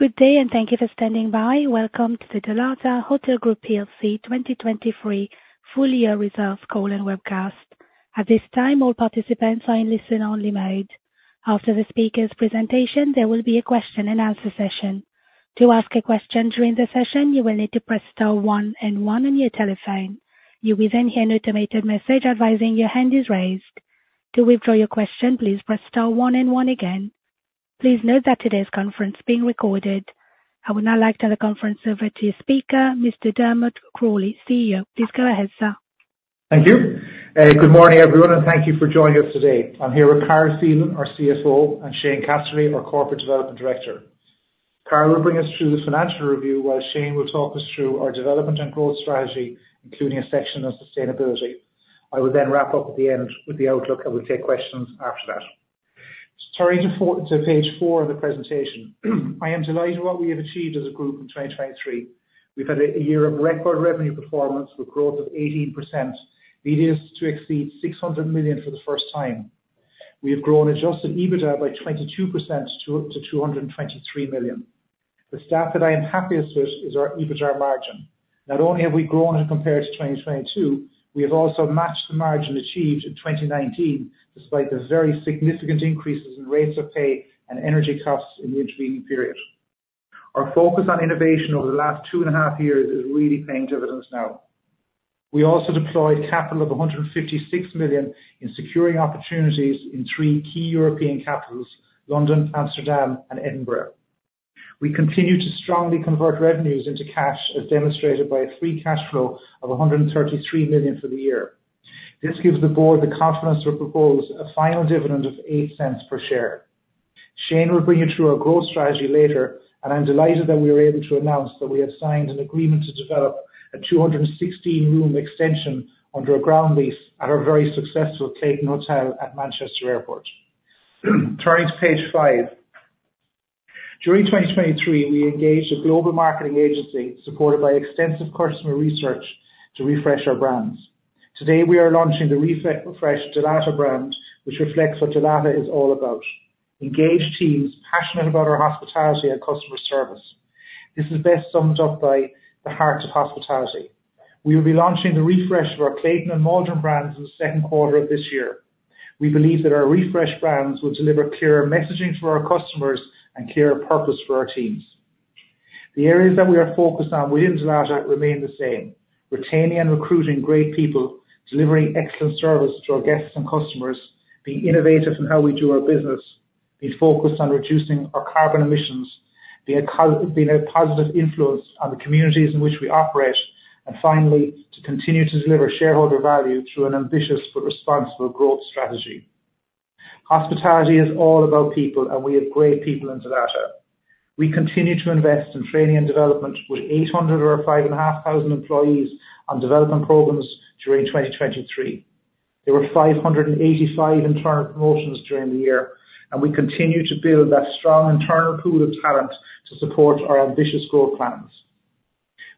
Good day and thank you for standing by. Welcome to the Dalata Hotel Group PLC 2023 full year results call and webcast. At this time, all participants are in listen-only mode. After the speaker's presentation, there will be a question and answer session. To ask a question during the session, you will need to press star one and one on your telephone. You will then hear an automated message advising your hand is raised. To withdraw your question, please press star one and one again. Please note that today's conference is being recorded. I would now like to turn the conference over to your speaker, Mr. Dermot Crowley, CEO. Please go ahead, sir. Thank you. Good morning, everyone, and thank you for joining us today. I'm here with Carol Phelan, our CFO, and Shane Casserly, our Corporate Development Director. Carol will bring us through the financial review while Shane will talk us through our development and growth strategy, including a section on sustainability. I will then wrap up at the end with the outlook, and we'll take questions after that. Turning to page four of the presentation, I am delighted at what we have achieved as a group in 2023. We've had a year of record revenue performance with growth of 18%, EBITDA to exceed 600 million for the first time. We have grown adjusted EBITDA by 22% to 223 million. The stat that I am happiest with is our EBITDA margin. Not only have we grown compared to 2022, we have also matched the margin achieved in 2019 despite the very significant increases in rates of pay and energy costs in the intervening period. Our focus on innovation over the last two and a half years is really paying dividends now. We also deployed capital of 156 million in securing opportunities in three key European capitals: London, Amsterdam, and Edinburgh. We continue to strongly convert revenues into cash, as demonstrated by a free cash flow of 133 million for the year. This gives the board the confidence to propose a final dividend of 0.08 per share. Shane will bring you through our growth strategy later, and I'm delighted that we are able to announce that we have signed an agreement to develop a 216-room extension under a ground lease at our very successful Clayton Hotel at Manchester Airport. Turning to page 5. During 2023, we engaged a global marketing agency supported by extensive customer research to refresh our brands. Today, we are launching the refreshed Dalata brand, which reflects what Dalata is all about: engaged teams passionate about our hospitality and customer service. This is best summed up by the heart of hospitality. We will be launching the refresh of our Clayton and Maldron brands in the second quarter of this year. We believe that our refreshed brands will deliver clearer messaging for our customers and clearer purpose for our teams. The areas that we are focused on within Dalata remain the same: retaining and recruiting great people, delivering excellent service to our guests and customers, being innovative in how we do our business, being focused on reducing our carbon emissions, being a positive influence on the communities in which we operate, and finally, to continue to deliver shareholder value through an ambitious but responsible growth strategy. Hospitality is all about people, and we have great people in Dalata. We continue to invest in training and development with 800 or 5,500 employees on development programs during 2023. There were 585 internal promotions during the year, and we continue to build that strong internal pool of talent to support our ambitious growth plans.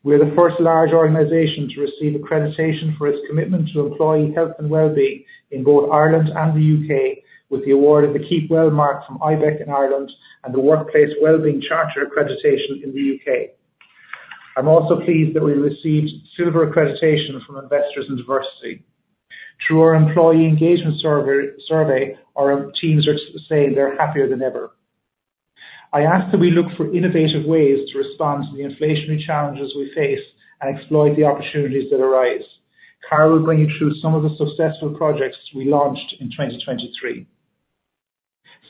We are the first large organization to receive accreditation for its commitment to employee health and well-being in both Ireland and the U.K., with the award of the KeepWell Mark from Ibec in Ireland and the Workplace Wellbeing Charter accreditation in the U.K.. I'm also pleased that we received silver accreditation from Investors in Diversity. Through our employee engagement survey, our teams are saying they're happier than ever. I ask that we look for innovative ways to respond to the inflationary challenges we face and exploit the opportunities that arise. Carol will bring you through some of the successful projects we launched in 2023.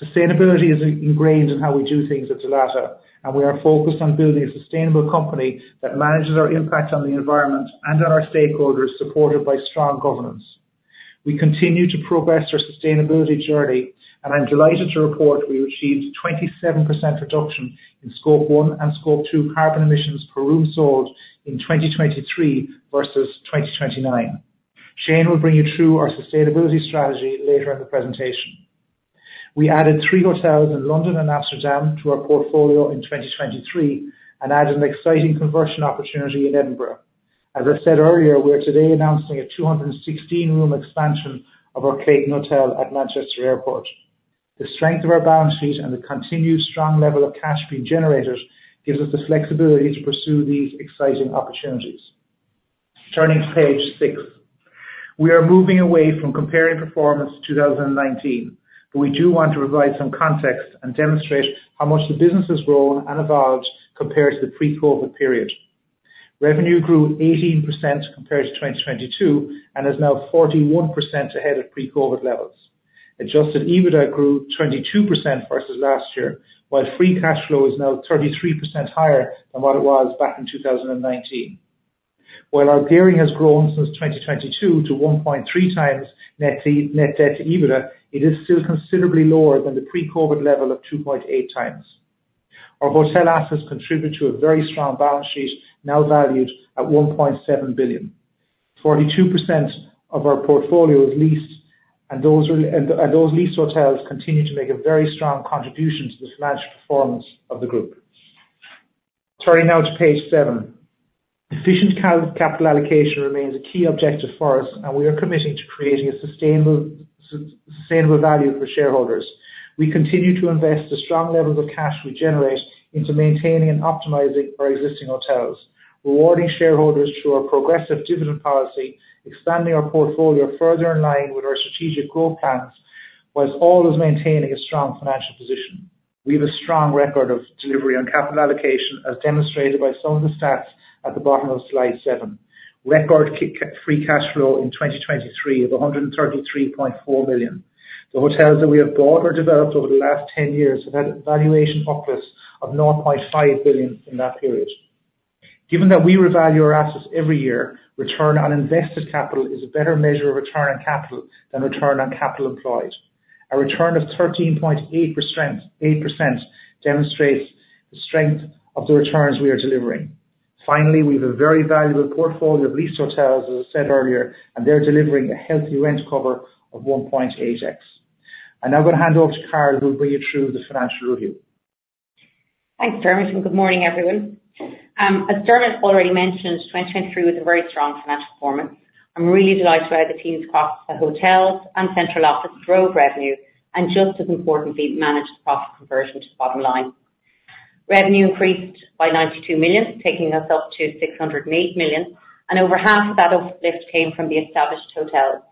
Sustainability is ingrained in how we do things at Dalata, and we are focused on building a sustainable company that manages our impact on the environment and on our stakeholders, supported by strong governance. We continue to progress our sustainability journey, and I'm delighted to report we've achieved a 27% reduction in Scope one and Scope two carbon emissions per room sold in 2023 versus 2029. Shane will bring you through our sustainability strategy later in the presentation. We added three hotels in London and Amsterdam to our portfolio in 2023 and added an exciting conversion opportunity in Edinburgh. As I said earlier, we are today announcing a 216-room expansion of our Clayton Hotel at Manchester Airport. The strength of our balance sheet and the continued strong level of cash being generated gives us the flexibility to pursue these exciting opportunities. Turning to page 6. We are moving away from comparing performance to 2019, but we do want to provide some context and demonstrate how much the business has grown and evolved compared to the pre-COVID period. Revenue grew 18% compared to 2022 and is now 41% ahead of pre-COVID levels. Adjusted EBITDA grew 22% versus last year, while free cash flow is now 33% higher than what it was back in 2019. While our gearing has grown since 2022 to 1.3x net debt to EBITDA, it is still considerably lower than the pre-COVID level of 2.8x. Our hotel assets contribute to a very strong balance sheet, now valued at 1.7 billion. 42% of our portfolio is leased, and those leased hotels continue to make a very strong contribution to the financial performance of the group. Turning now to page 7. Efficient capital allocation remains a key objective for us, and we are committing to creating a sustainable value for shareholders. We continue to invest the strong levels of cash we generate into maintaining and optimizing our existing hotels, rewarding shareholders through our progressive dividend policy, expanding our portfolio further in line with our strategic growth plans, whilst all is maintaining a strong financial position. We have a strong record of delivery on capital allocation, as demonstrated by some of the stats at the bottom of slide seven. Record free cash flow in 2023 of 133.4 million. The hotels that we have bought or developed over the last 10 years have had a valuation upwards of 0.5 billion in that period. Given that we revalue our assets every year, return on invested capital is a better measure of return on capital than return on capital employed. A return of 13.8% demonstrates the strength of the returns we are delivering. Finally, we have a very valuable portfolio of leased hotels, as I said earlier, and they're delivering a healthy rent cover of 1.8x. I'm now going to hand over to Carol, who will bring you through the financial review. Thanks, Dermot. Good morning, everyone. As Dermot already mentioned, 2023 was a very strong financial performance. I'm really delighted to add the team's profit for hotels and central office drove revenue and, just as importantly, managed the profit conversion to the bottom line. Revenue increased by 92 million, taking us up to 608 million, and over half of that uplift came from the established hotels.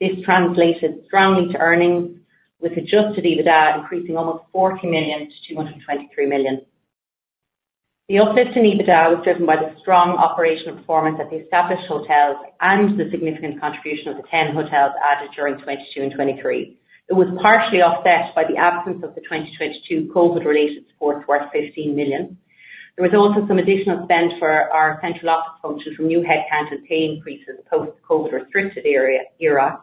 This translated strongly to earnings, with adjusted EBITDA increasing almost 40 million-223 million. The uplift in EBITDA was driven by the strong operational performance at the established hotels and the significant contribution of the 10 hotels added during 2022 and 2023. It was partially offset by the absence of the 2022 COVID-related support worth 15 million. There was also some additional spend for our central office function from new headcount and pay increases post-COVID restricted area era.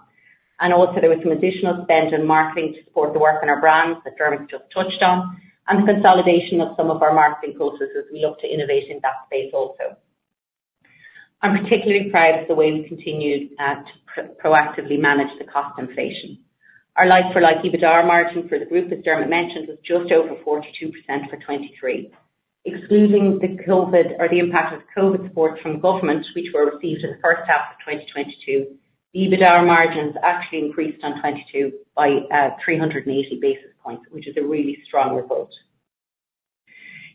And also, there was some additional spend on marketing to support the work on our brands that Dermot just touched on and the consolidation of some of our marketing processes as we look to innovate in that space also. I'm particularly proud of the way we continued to proactively manage the cost inflation. Our like-for-like EBITDA margin for the group, as Dermot mentioned, was just over 42% for 2023. Excluding the COVID or the impact of COVID support from government, which were received in the first half of 2022, the EBITDA margins actually increased on 2022 by 380 basis points, which is a really strong result.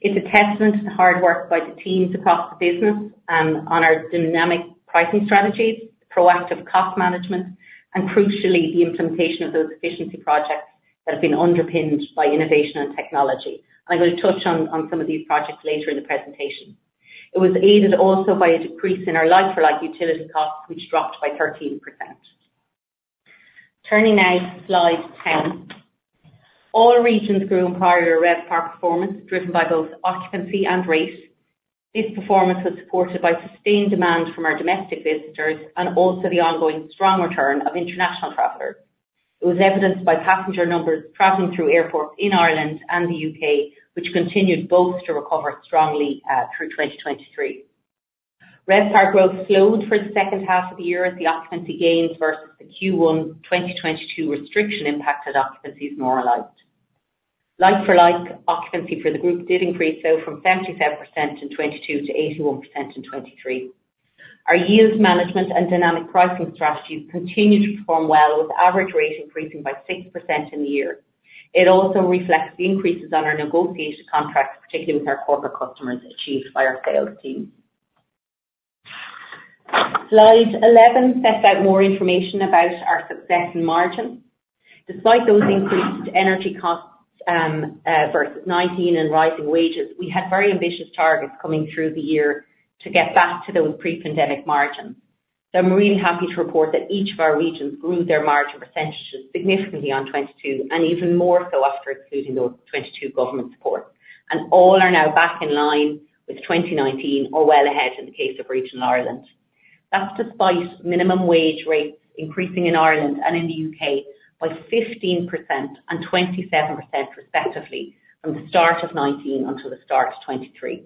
It's a testament to the hard work by the teams across the business and on our dynamic pricing strategies, proactive cost management, and crucially, the implementation of those efficiency projects that have been underpinned by innovation and technology. I'm going to touch on some of these projects later in the presentation. It was aided also by a decrease in our like-for-like utility costs, which dropped by 13%. Turning now to slide 10. All regions grew in prior RevPAR performance, driven by both occupancy and rate. This performance was supported by sustained demand from our domestic visitors and also the ongoing strong return of international travelers. It was evidenced by passenger numbers traveling through airports in Ireland and the U.K., which continued both to recover strongly, through 2023. RevPAR growth slowed for the second half of the year as the occupancy gains versus the Q1 2022 restriction impacted occupancy normalized. Like-for-like occupancy for the group did increase, though, from 77% in 2022 to 81% in 2023. Our yields management and dynamic pricing strategy continued to perform well, with average rate increasing by 6% in the year. It also reflects the increases on our negotiated contracts, particularly with our corporate customers, achieved by our sales team. Slide 11 sets out more information about our success in margin. Despite those increased energy costs, versus 2019 and rising wages, we had very ambitious targets coming through the year to get back to those pre-pandemic margins. So I'm really happy to report that each of our regions grew their margin percentages significantly on 2022 and even more so after excluding those 2022 government supports. And all are now back in line with 2019 or well ahead in the case of regional Ireland. That's despite minimum wage rates increasing in Ireland and in the U.K. by 15% and 27%, respectively, from the start of 2019 until the start of 2023.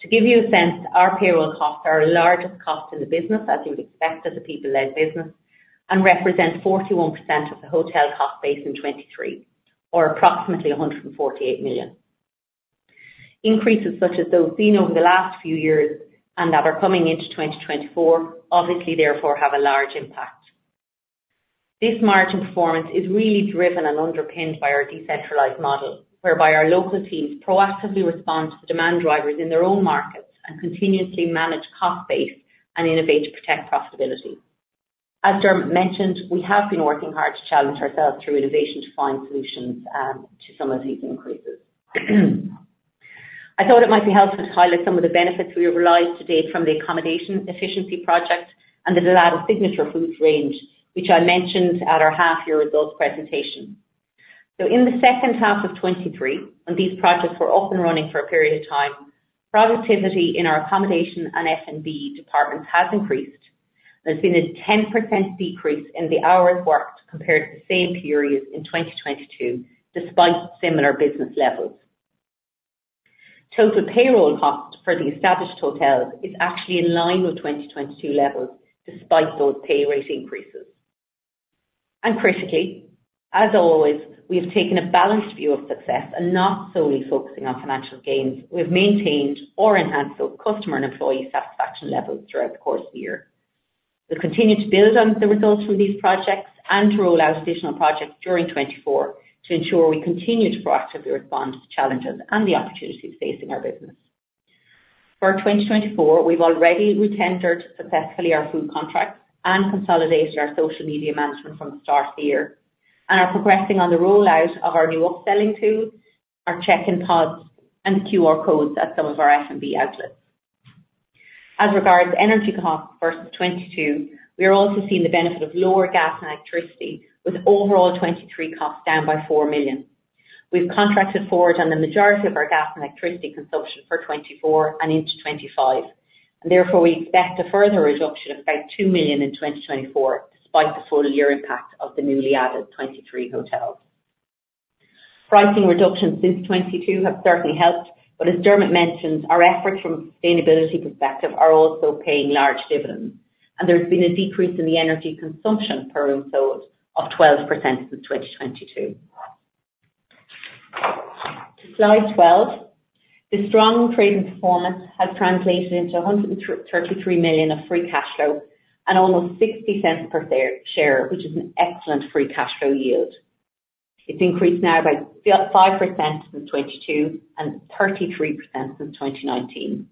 To give you a sense, our payroll costs are our largest cost in the business, as you would expect as a people-led business, and represent 41% of the hotel cost base in 2023, or approximately 148 million. Increases such as those seen over the last few years and that are coming into 2024 obviously, therefore, have a large impact. This margin performance is really driven and underpinned by our decentralized model, whereby our local teams proactively respond to the demand drivers in their own markets and continuously manage cost base and innovate to protect profitability. As Dermot mentioned, we have been working hard to challenge ourselves through innovation to find solutions, to some of these increases. I thought it might be helpful to highlight some of the benefits we have realized today from the accommodation efficiency project and the Dalata Signature Foods range, which I mentioned at our half-year results presentation. In the second half of 2023, when these projects were up and running for a period of time, productivity in our accommodation and F&B departments has increased. There's been a 10% decrease in the hours worked compared to the same period in 2022, despite similar business levels. Total payroll cost for the established hotels is actually in line with 2022 levels, despite those pay rate increases. Critically, as always, we have taken a balanced view of success and not solely focusing on financial gains. We have maintained or enhanced both customer and employee satisfaction levels throughout the course of the year. We'll continue to build on the results from these projects and to roll out additional projects during 2024 to ensure we continue to proactively respond to the challenges and the opportunities facing our business. For 2024, we've already retendered successfully our food contracts and consolidated our social media management from the start of the year, and are progressing on the rollout of our new upselling tool, our check-in pods, and the QR codes at some of our F&B outlets. As regards energy costs versus 2022, we are also seeing the benefit of lower gas and electricity, with overall 2023 costs down by 4 million. We've contracted forward on the majority of our gas and electricity consumption for 2024 and into 2025, and therefore, we expect a further reduction of about 2 million in 2024, despite the full year impact of the newly added 23 hotels. Pricing reductions since 2022 have certainly helped, but as Dermot mentioned, our efforts from a sustainability perspective are also paying large dividends. There's been a decrease in the energy consumption per room sold of 12% since 2022. To slide 12. The strong trade and performance has translated into 133 million of free cash flow and almost 0.60 per share, which is an excellent free cash flow yield. It's increased now by 5% since 2022 and 33% since 2019.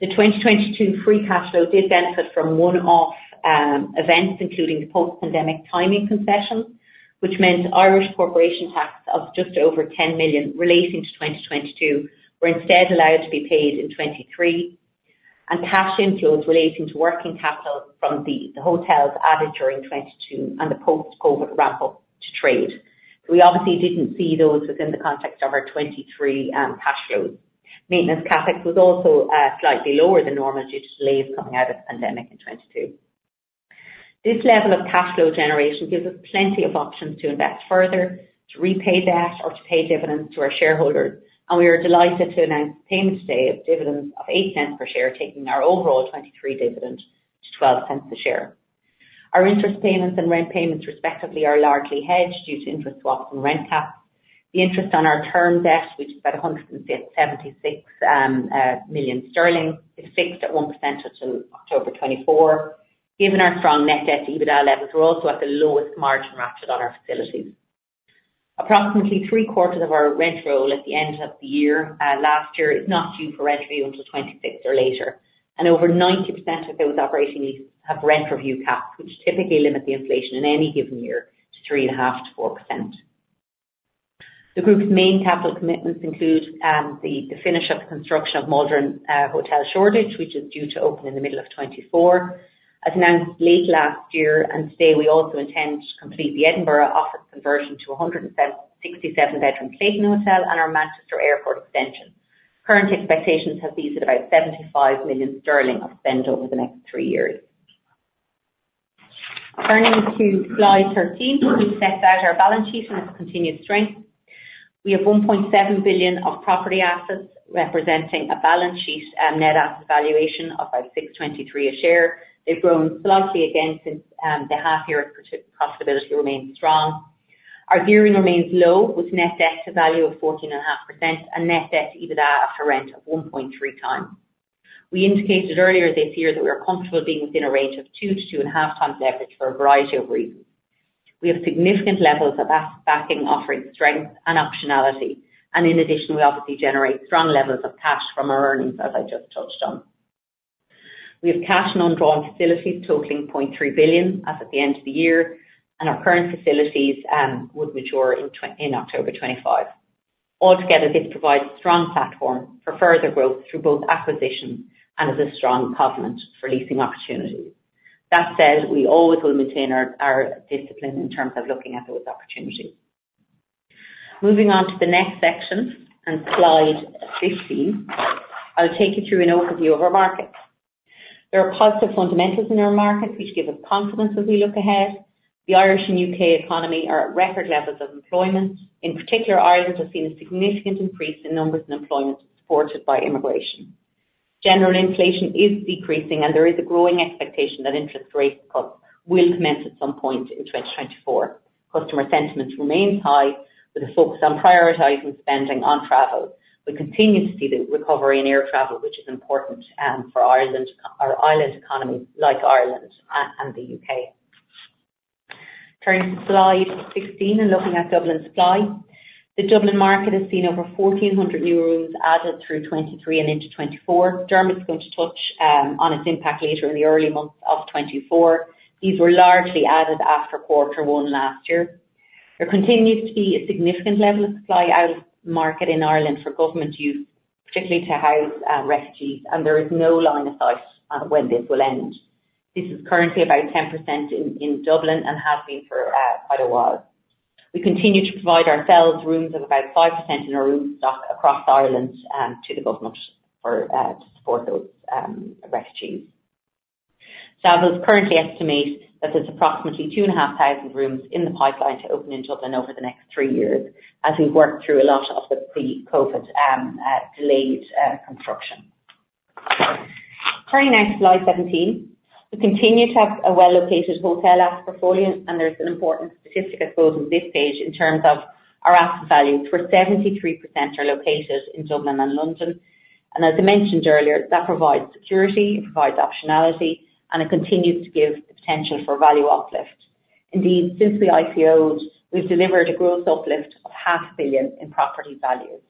The 2022 free cash flow did benefit from one-off events, including the post-pandemic timing concession, which meant Irish corporation tax of just over 10 million relating to 2022 were instead allowed to be paid in 2023, and cash inflows relating to working capital from the hotels added during 2022 and the post-COVID ramp-up to trade. We obviously didn't see those within the context of our 2023 cash flows. Maintenance CapEx was also slightly lower than normal due to delays coming out of the pandemic in 2022. This level of cash flow generation gives us plenty of options to invest further, to repay debt, or to pay dividends to our shareholders. We are delighted to announce the payment today of dividends of 0.08 per share, taking our overall 2023 dividend to 0.12 per share. Our interest payments and rent payments, respectively, are largely hedged due to interest swaps and rent caps. The interest on our term debt, which is about 176 million sterling, is fixed at 1% until October 2024. Given our strong net debt to EBITDA levels, we're also at the lowest margin ratio on our facilities. Approximately three-quarters of our rent roll at the end of the year, last year, is not due for rent review until 2026 or later. Over 90% of those operating leases have rent review caps, which typically limit the inflation in any given year to 3.5%-4%. The group's main capital commitments include the finish of the construction of Maldron Hotel Shoreditch, which is due to open in the middle of 2024. As announced late last year and today, we also intend to complete the Edinburgh office conversion to a 167-bedroom Clayton Hotel and our Manchester Airport extension. Current expectations have these at about 75 million sterling of spend over the next three years. Turning to slide 13. We've set out our balance sheet and its continued strength. We have 1.7 billion of property assets, representing a balance sheet net asset valuation of about 623 a share. They've grown slightly again since the half-year as per profitability remains strong. Our gearing remains low, with net debt to value of 14.5% and net debt to EBITDA after rent of 1.3x. We indicated earlier this year that we are comfortable being within a range of 2 to 2.5x leverage for a variety of reasons. We have significant levels of asset backing offering strength and optionality. And in addition, we obviously generate strong levels of cash from our earnings, as I just touched on. We have cash in undrawn facilities, totaling 0.3 billion as at the end of the year. And our current facilities would mature in October 2025. Altogether, this provides a strong platform for further growth through both acquisition and as a strong covenant for leasing opportunities. That said, we always will maintain our discipline in terms of looking at those opportunities. Moving on to the next section and slide 15. I'll take you through an overview of our markets. There are positive fundamentals in our markets, which give us confidence as we look ahead. The Irish and U.K. economy are at record levels of employment. In particular, Ireland has seen a significant increase in numbers in employment supported by immigration. General inflation is decreasing, and there is a growing expectation that interest rate cuts will commence at some point in 2024. Customer sentiment remains high, with a focus on prioritizing spending on travel. We continue to see the recovery in air travel, which is important for Ireland, our Ireland economy like Ireland and the U.K. Turning to slide 16 and looking at Dublin supply. The Dublin market has seen over 1,400 new rooms added through 2023 and into 2024. Dermot's going to touch on its impact later in the early months of 2024. These were largely added after quarter one last year. There continues to be a significant level of supply out of market in Ireland for government use, particularly to house refugees. There is no line of sight when this will end. This is currently about 10% in Dublin and has been for quite a while. We continue to provide ourselves rooms of about 5% in our room stock across Ireland to the government for to support those refugees. Savills currently estimate that there's approximately 2,500 rooms in the pipeline to open in Dublin over the next three years, as we've worked through a lot of the pre-COVID delayed construction. Turning now to slide 17. We continue to have a well-located hotel asset portfolio, and there's an important statistic, I suppose, on this page in terms of our asset values. We're 73% are located in Dublin and London. As I mentioned earlier, that provides security. It provides optionality, and it continues to give the potential for value uplift. Indeed, since we IPOed, we've delivered a growth uplift of 500 million in property values.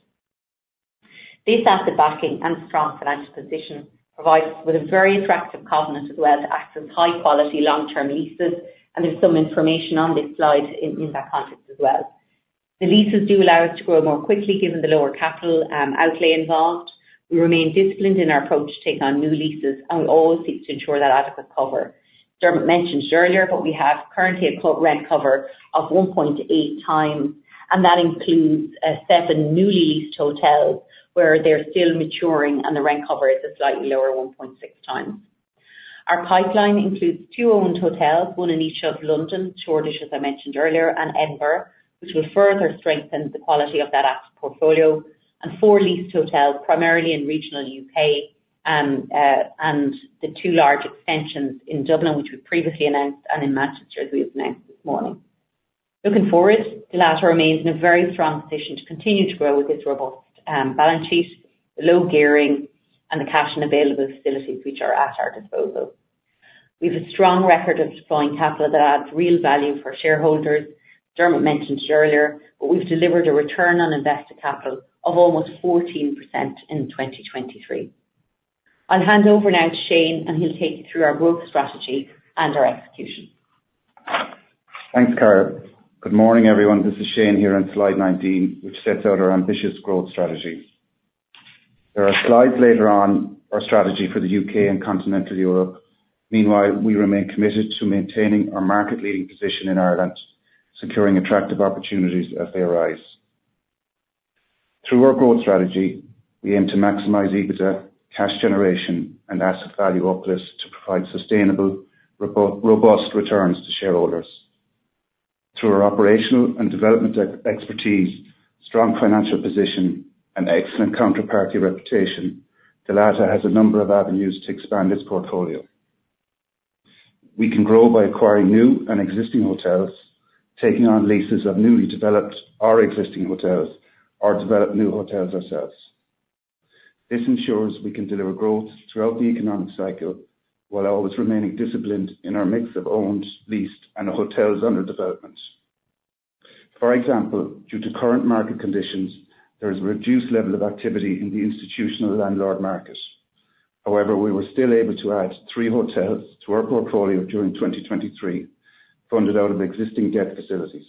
This asset backing and strong financial position provides us with a very attractive covenant as well to access high-quality long-term leases. And there's some information on this slide in that context as well. The leases do allow us to grow more quickly given the lower capital outlay involved. We remain disciplined in our approach to take on new leases, and we always seek to ensure that adequate cover. Dermot mentioned earlier, but we have currently a core rent cover of 1.8x. That includes seven newly leased hotels where they're still maturing, and the rent cover is a slightly lower 1.6x. Our pipeline includes two owned hotels, one in each of London, Shoreditch, as I mentioned earlier, and Edinburgh, which will further strengthen the quality of that asset portfolio, and four leased hotels, primarily in regional U.K., and the two large extensions in Dublin, which we previously announced, and in Manchester as we have announced this morning. Looking forward, Dalata remains in a very strong position to continue to grow with this robust balance sheet, the low gearing, and the cash and available facilities, which are at our disposal. We have a strong record of deploying capital that adds real value for shareholders, as Dermot mentioned earlier, but we've delivered a return on invested capital of almost 14% in 2023. I'll hand over now to Shane, and he'll take you through our growth strategy and our execution. Thanks, Carol. Good morning, everyone. This is Shane here on slide 19, which sets out our ambitious growth strategy. There are slides later on our strategy for the U.K. and continental Europe. Meanwhile, we remain committed to maintaining our market-leading position in Ireland, securing attractive opportunities as they arise. Through our growth strategy, we aim to maximize EBITDA, cash generation, and asset value uplift to provide sustainable, robust returns to shareholders. Through our operational and development expertise, strong financial position, and excellent counterparty reputation, Dalata has a number of avenues to expand its portfolio. We can grow by acquiring new and existing hotels, taking on leases of newly developed or existing hotels, or develop new hotels ourselves. This ensures we can deliver growth throughout the economic cycle while always remaining disciplined in our mix of owned, leased, and hotels under development. For example, due to current market conditions, there is a reduced level of activity in the institutional landlord market. However, we were still able to add three hotels to our portfolio during 2023, funded out of existing debt facilities.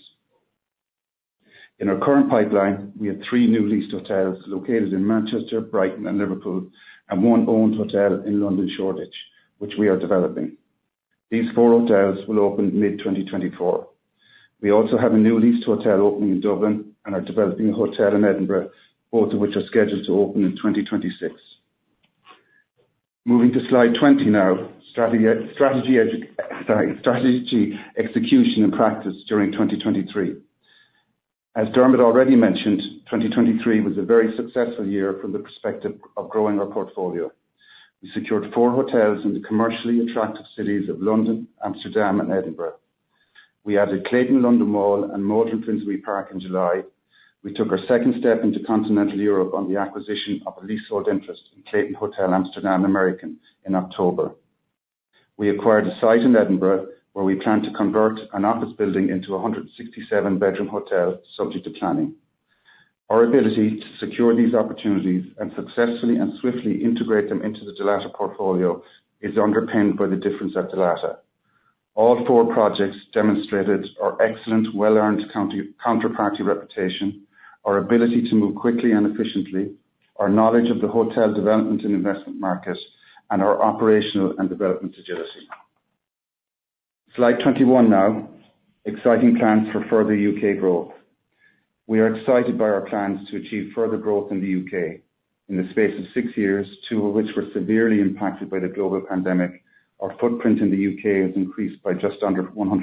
In our current pipeline, we have three new leased hotels located in Manchester, Brighton, and Liverpool, and one owned hotel in London, Shoreditch, which we are developing. These four hotels will open mid-2024. We also have a new leased hotel opening in Dublin and are developing a hotel in Edinburgh, both of which are scheduled to open in 2026. Moving to slide 20 now. Strategy execution sorry, strategy execution and practice during 2023. As Dermot already mentioned, 2023 was a very successful year from the perspective of growing our portfolio. We secured four hotels in the commercially attractive cities of London, Amsterdam, and Edinburgh. We added Clayton London Wall and Maldron Hotel Finsbury Park in July. We took our second step into continental Europe on the acquisition of a leasehold interest in Clayton Hotel Amsterdam American in October. We acquired a site in Edinburgh where we plan to convert an office building into a 167-bedroom hotel subject to planning. Our ability to secure these opportunities and successfully and swiftly integrate them into the Dalata portfolio is underpinned by the difference at Dalata. All four projects demonstrated our excellent, well-earned counterparty reputation, our ability to move quickly and efficiently, our knowledge of the hotel development and investment market, and our operational and development agility. Slide 21 now. Exciting plans for further U.K. growth. We are excited by our plans to achieve further growth in the U.K. In the space of six years, two of which were severely impacted by the global pandemic, our footprint in the U.K. has increased by just under 150%.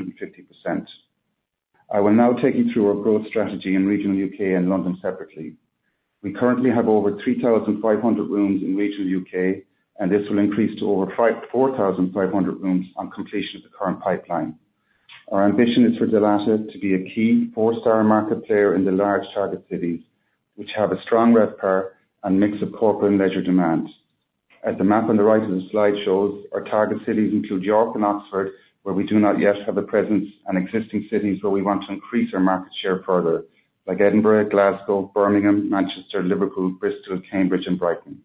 I will now take you through our growth strategy in regional U.K. and London separately. We currently have over 3,500 rooms in regional U.K., and this will increase to over 4,500 rooms on completion of the current pipeline. Our ambition is for Dalata to be a key four-star market player in the large target cities, which have a strong RevPAR and mix of corporate and leisure demand. As the map on the right of the slide shows, our target cities include York and Oxford, where we do not yet have a presence, and existing cities where we want to increase our market share further, like Edinburgh, Glasgow, Birmingham, Manchester, Liverpool, Bristol, Cambridge, and Brighton.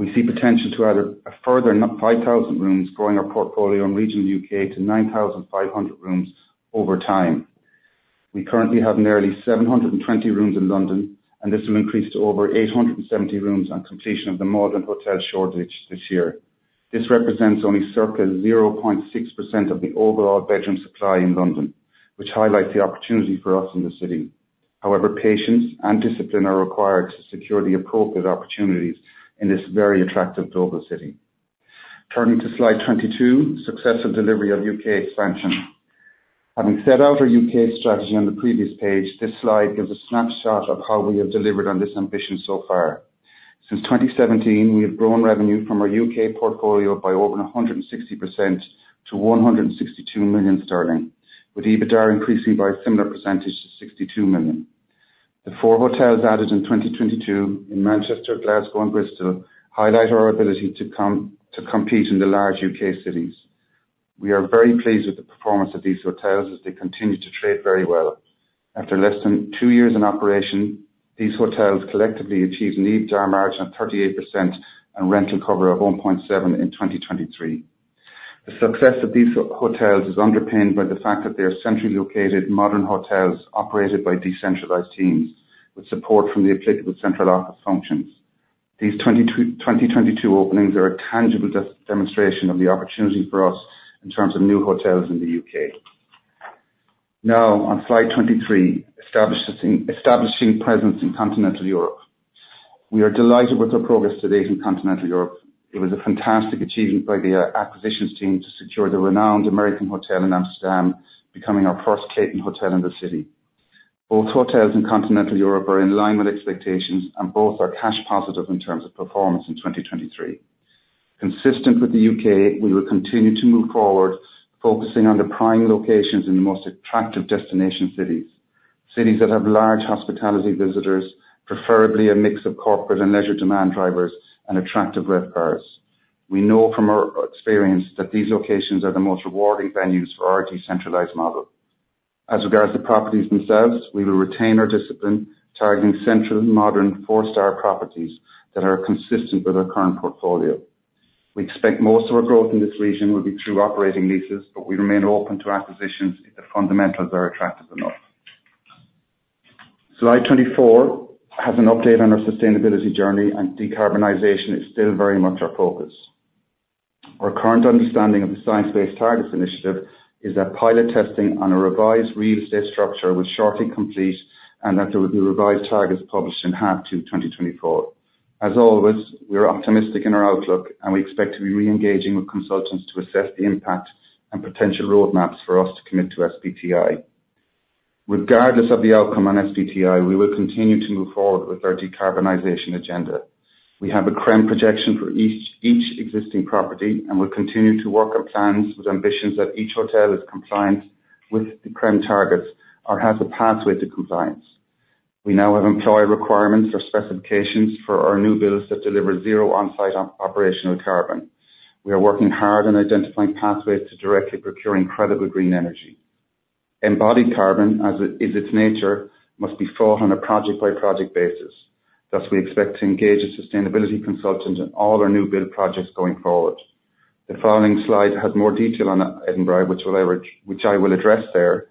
We see potential to add a further 5,000 rooms, growing our portfolio in regional U.K. to 9,500 rooms over time. We currently have nearly 720 rooms in London, and this will increase to over 870 rooms on completion of the Maldron Hotel Shoreditch this year. This represents only circa 0.6% of the overall bedroom supply in London, which highlights the opportunity for us in the city. However, patience and discipline are required to secure the appropriate opportunities in this very attractive global city. Turning to slide 22. Successful delivery of U.K. expansion. Having set out our U.K. strategy on the previous page, this slide gives a snapshot of how we have delivered on this ambition so far. Since 2017, we have grown revenue from our U.K. portfolio by over 160% to 162 million sterling, with EBITDA increasing by a similar percentage to 62 million. The four hotels added in 2022 in Manchester, Glasgow, and Bristol highlight our ability to come to compete in the large U.K. cities. We are very pleased with the performance of these hotels as they continue to trade very well. After less than two years in operation, these hotels collectively achieved an EBITDA margin of 38% and rental cover of 1.7 in 2023. The success of these hotels is underpinned by the fact that they are centrally located, modern hotels operated by decentralized teams with support from the applicable central office functions. These 2022 openings are a tangible demonstration of the opportunity for us in terms of new hotels in the U.K. Now, on slide 23, establishing presence in continental Europe. We are delighted with our progress to date in continental Europe. It was a fantastic achievement by the acquisitions team to secure the renowned American Hotel in Amsterdam, becoming our first Clayton Hotel in the city. Both hotels in continental Europe are in line with expectations, and both are cash positive in terms of performance in 2023. Consistent with the U.K., we will continue to move forward, focusing on the prime locations in the most attractive destination cities, cities that have large hospitality visitors, preferably a mix of corporate and leisure demand drivers, and attractive RevPARs. We know from our experience that these locations are the most rewarding venues for our decentralized model. As regards to properties themselves, we will retain our discipline, targeting central, modern, four-star properties that are consistent with our current portfolio. We expect most of our growth in this region will be through operating leases, but we remain open to acquisitions if the fundamentals are attractive enough. Slide 24 has an update on our sustainability journey, and decarbonization is still very much our focus. Our current understanding of the Science Based Targets initiative is that pilot testing on a revised real estate structure will shortly complete and that there will be revised targets published in half to 2024. As always, we are optimistic in our outlook, and we expect to be re-engaging with consultants to assess the impact and potential roadmaps for us to commit to SBTi. Regardless of the outcome on SBTi, we will continue to move forward with our decarbonization agenda. We have a CRREM projection for each existing property, and we'll continue to work on plans with ambitions that each hotel is compliant with the CRREM targets or has a pathway to compliance. We now have employer requirements or specifications for our new builds that deliver zero on-site operational carbon. We are working hard on identifying pathways to directly procure incredible green energy. Embodied carbon, as it is its nature, must be thought on a project-by-project basis. Thus, we expect to engage a sustainability consultant in all our new build projects going forward. The following slide has more detail on Edinburgh, which I will address there.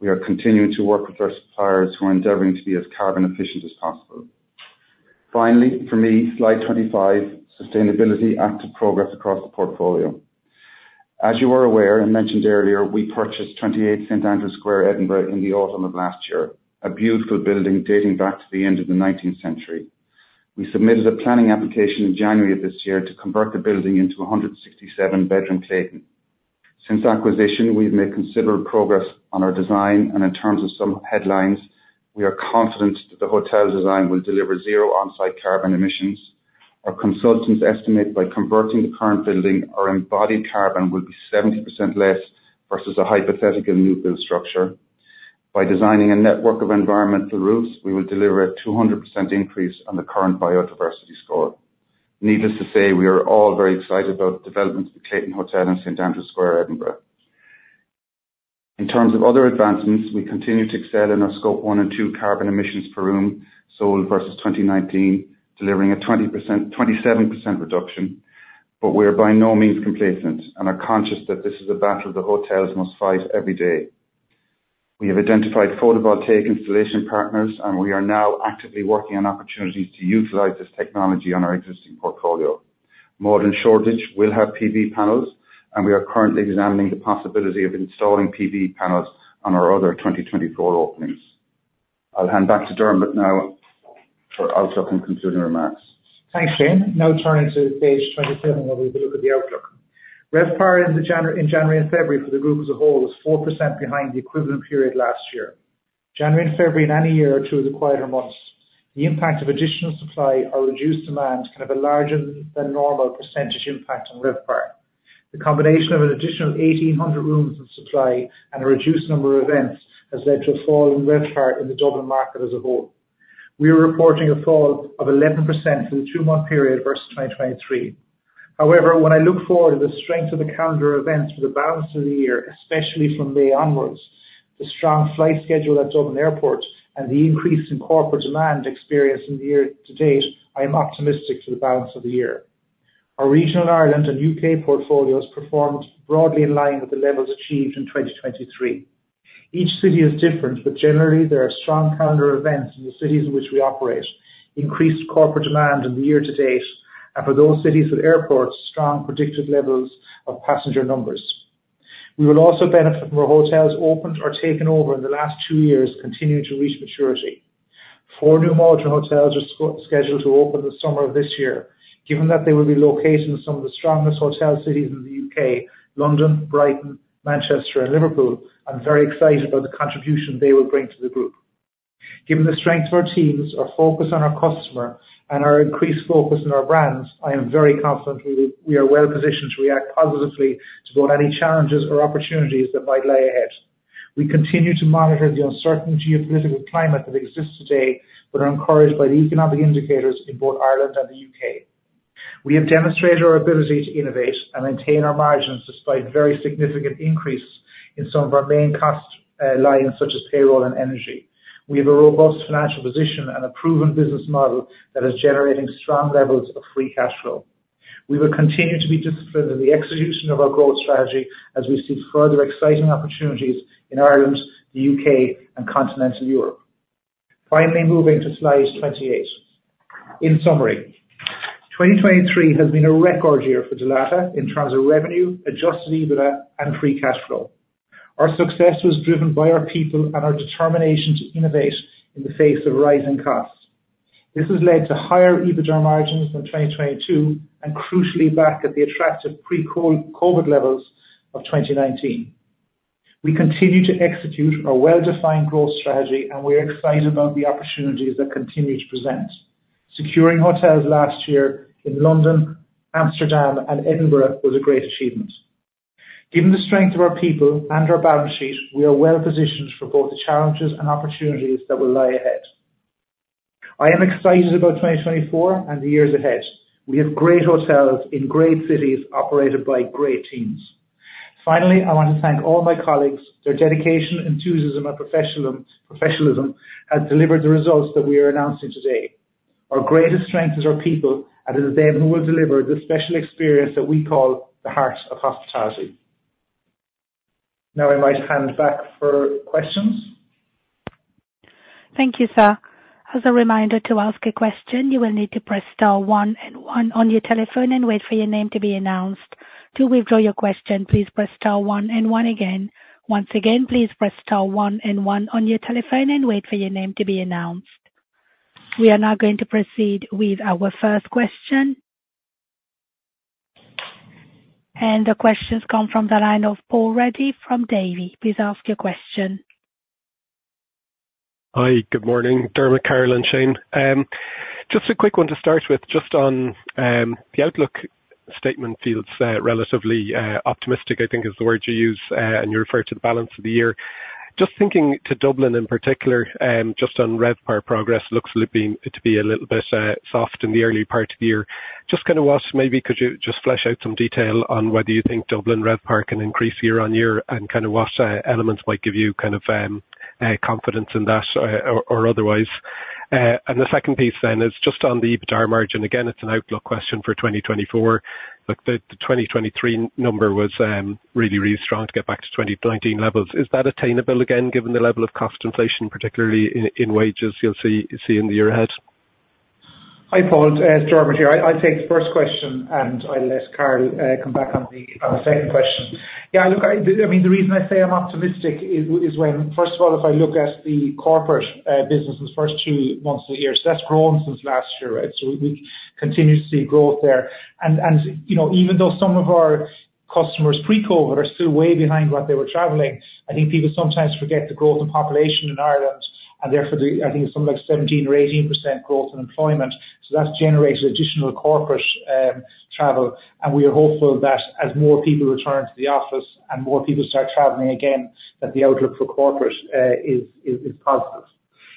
We are continuing to work with our suppliers who are endeavoring to be as carbon efficient as possible. Finally, for me, slide 25. Sustainability active progress across the portfolio. As you are aware and mentioned earlier, we purchased 28 St Andrew Square, Edinburgh, in the autumn of last year, a beautiful building dating back to the end of the 19th century. We submitted a planning application in January of this year to convert the building into a 167-bedroom Clayton. Since acquisition, we've made considerable progress on our design, and in terms of some headlines, we are confident that the hotel design will deliver zero on-site carbon emissions. Our consultants estimate by converting the current building, our embodied carbon will be 70% less versus a hypothetical new build structure. By designing a network of environmental roofs, we will deliver a 200% increase on the current biodiversity score. Needless to say, we are all very excited about the development of the Clayton Hotel at St Andrew Square, Edinburgh. In terms of other advancements, we continue to excel in our Scope one and two carbon emissions per room sold versus 2019, delivering a 20%-27% reduction. But we are by no means complacent and are conscious that this is a battle the hotels must fight every day. We have identified photovoltaic installation partners, and we are now actively working on opportunities to utilize this technology on our existing portfolio. Maldron Shoreditch will have PV panels, and we are currently examining the possibility of installing PV panels on our other 2024 openings. I'll hand back to Dermot now for outlook and concluding remarks. Thanks, Shane. Now turning to page 27, where we have a look at the outlook. RevPAR in January and February for the group as a whole was 4% behind the equivalent period last year. January and February in any year or two are the quieter months. The impact of additional supply or reduced demand can have a larger-than-normal percentage impact on RevPAR. The combination of an additional 1,800 rooms in supply and a reduced number of events has led to a fall in RevPAR in the Dublin market as a whole. We are reporting a fall of 11% for the two-month period versus 2023. However, when I look forward to the strength of the calendar events for the balance of the year, especially from May onwards, the strong flight schedule at Dublin Airport and the increase in corporate demand experienced in the year to date, I am optimistic for the balance of the year. Our regional Ireland and U.K. portfolios performed broadly in line with the levels achieved in 2023. Each city is different, but generally, there are strong calendar events in the cities in which we operate, increased corporate demand in the year to date, and for those cities with airports, strong predicted levels of passenger numbers. We will also benefit from our hotels opened or taken over in the last two years continuing to reach maturity. Four new Maldron Hotels are scheduled to open in the summer of this year. Given that they will be located in some of the strongest hotel cities in the U.K., London, Brighton, Manchester, and Liverpool, I'm very excited about the contribution they will bring to the group. Given the strength of our teams, our focus on our customer, and our increased focus on our brands, I am very confident we are well positioned to react positively to both any challenges or opportunities that might lie ahead. We continue to monitor the uncertain geopolitical climate that exists today but are encouraged by the economic indicators in both Ireland and the U.K. We have demonstrated our ability to innovate and maintain our margins despite very significant increases in some of our main cost lines such as payroll and energy. We have a robust financial position and a proven business model that is generating strong levels of free cash flow. We will continue to be disciplined in the execution of our growth strategy as we see further exciting opportunities in Ireland, the U.K., and continental Europe. Finally, moving to slide 28. In summary, 2023 has been a record year for Dalata in terms of revenue, adjusted EBITDA, and free cash flow. Our success was driven by our people and our determination to innovate in the face of rising costs. This has led to higher EBITDA margins than 2022 and crucially back at the attractive pre-COVID levels of 2019. We continue to execute our well-defined growth strategy, and we are excited about the opportunities that continue to present. Securing hotels last year in London, Amsterdam, and Edinburgh was a great achievement. Given the strength of our people and our balance sheet, we are well positioned for both the challenges and opportunities that will lie ahead. I am excited about 2024 and the years ahead. We have great hotels in great cities operated by great teams. Finally, I want to thank all my colleagues. Their dedication, enthusiasm, and professionalism has delivered the results that we are announcing today. Our greatest strength is our people, and it is them who will deliver the special experience that we call the heart of hospitality. Now I might hand back for questions. Thank you, sir. As a reminder to ask a question, you will need to press star one and one on your telephone and wait for your name to be announced. To withdraw your question, please press star one and one again. Once again, please press star one and one on your telephone and wait for your name to be announced. We are now going to proceed with our first question. The questions come from the line of Paul Ruddy from Davy. Please ask your question. Hi. Good morning, Dermot, Carol, and Shane. Just a quick one to start with just on the outlook statement feels relatively optimistic, I think, is the word you use, and you refer to the balance of the year. Just thinking to Dublin in particular, just on RevPAR progress, looks to be a little bit soft in the early part of the year. Just kind of what maybe could you just flesh out some detail on whether you think Dublin RevPAR can increase year-over-year and kind of what elements might give you kind of confidence in that, or otherwise. The second piece then is just on the EBITDA margin. Again, it's an outlook question for 2024. Look, the 2023 number was really, really strong to get back to 2019 levels. Is that attainable again given the level of cost inflation, particularly in wages you'll see in the year ahead? Hi, Paul. It's Dermot here. I, I'll take the first question, and I'll let Carol come back on the second question. Yeah, look, I mean, the reason I say I'm optimistic is when, first of all, if I look at the corporate business in the first two months of the year, so that's grown since last year, right? So we continue to see growth there. And you know, even though some of our customers pre-COVID are still way behind what they were traveling, I think people sometimes forget the growth in population in Ireland, and therefore, I think it's something like 17%-18% growth in employment. So that's generated additional corporate travel. And we are hopeful that as more people return to the office and more people start traveling again, that the outlook for corporate is positive.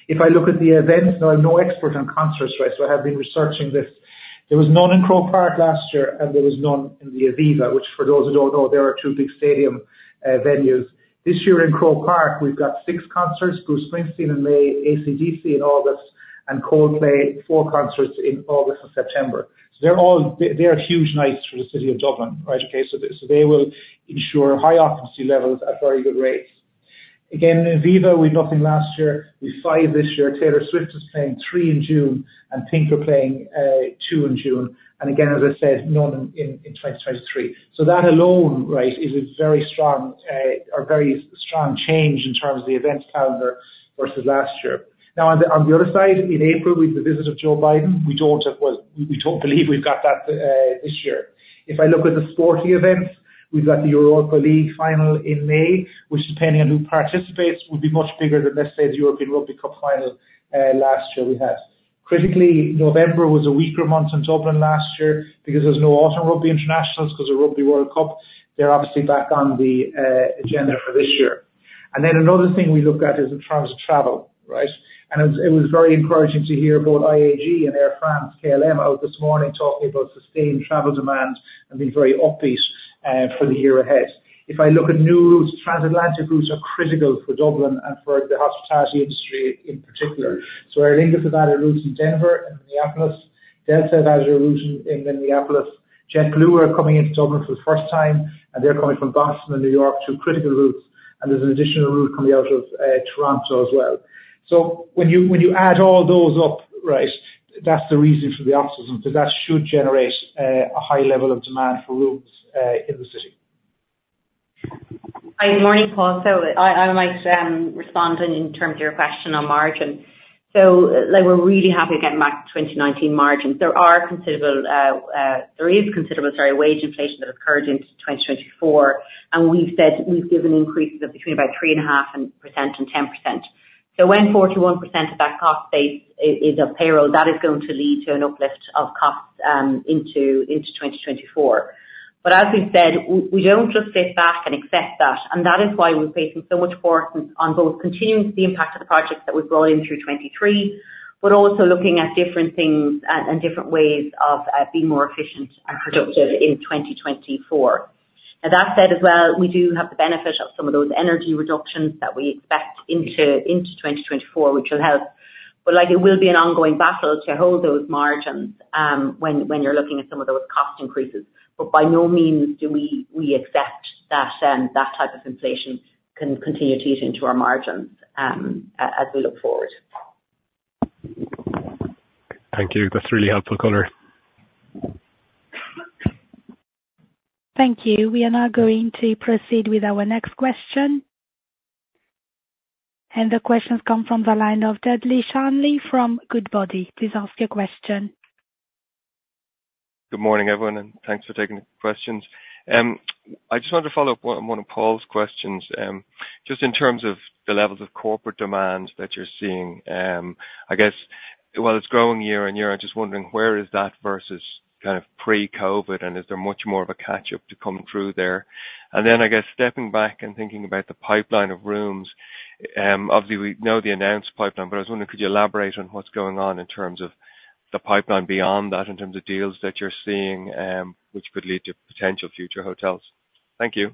If I look at the events now, I'm no expert on concerts, right? So I have been researching this. There was none in Croke Park last year, and there was none in the Aviva, which for those who don't know, there are two big stadium venues. This year in Croke Park, we've got six concerts, Bruce Springsteen in May, AC/DC in August, and Coldplay four concerts in August and September. So they're all huge nights for the city of Dublin, right? Okay? So they will ensure high occupancy levels at very good rates. Again, in Aviva, we had nothing last year. We have five this year. Taylor Swift is playing three in June, and Pink are playing two in June. And again, as I said, none in 2023. So that alone, right, is a very strong, or very strong change in terms of the events calendar versus last year. Now, on the on the other side, in April, with the visit of Joe Biden, we don't have well, we, we don't believe we've got that, this year. If I look at the sporting events, we've got the Europa League final in May, which, depending on who participates, will be much bigger than, let's say, the European Rugby Cup final, last year we had. Critically, November was a weaker month in Dublin last year because there was no Autumn Rugby Internationals because of Rugby World Cup. They're obviously back on the, agenda for this year. And then another thing we look at is in terms of travel, right? It was very encouraging to hear about IAG and Air France-KLM out this morning talking about sustained travel demand and being very upbeat for the year ahead. If I look at new routes, transatlantic routes are critical for Dublin and for the hospitality industry in particular. So Aer Lingus have added routes in Denver and Minneapolis. Delta have added a route in Minneapolis. JetBlue are coming into Dublin for the first time, and they're coming from Boston and New York two critical routes. And there's an additional route coming out of Toronto as well. So when you add all those up, right, that's the reason for the optimism because that should generate a high level of demand for rooms in the city. Hi. Good morning, Paul. So I might respond in terms of your question on margin. So, like, we're really happy to get back to 2019 margins. There is considerable, sorry, wage inflation that occurred in 2024, and we've said we've given increases of between about 3.5% and 10%. So when 41% of that cost base is of payroll, that is going to lead to an uplift of costs into 2024. But as we've said, we don't just sit back and accept that. And that is why we're placing so much importance on both continuing the impact of the projects that we've brought in through 2023 but also looking at different things and different ways of being more efficient and productive in 2024. Now, that said as well, we do have the benefit of some of those energy reductions that we expect into 2024, which will help. But, like, it will be an ongoing battle to hold those margins, when you're looking at some of those cost increases. But by no means do we accept that type of inflation can continue to eat into our margins, as we look forward. Thank you. That's really helpful color. Thank you. We are now going to proceed with our next question. The questions come from the line of Dudley Shanley from Goodbody. Please ask your question. Good morning, everyone, and thanks for taking the questions. I just wanted to follow up on, on one of Paul's questions, just in terms of the levels of corporate demand that you're seeing. I guess, while it's growing year-over-year, I'm just wondering, where is that versus kind of pre-COVID, and is there much more of a catch-up to come through there? And then, I guess, stepping back and thinking about the pipeline of rooms, obviously, we know the announced pipeline, but I was wondering, could you elaborate on what's going on in terms of the pipeline beyond that in terms of deals that you're seeing, which could lead to potential future hotels? Thank you.